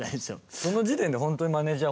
その時点で本当にマネージャー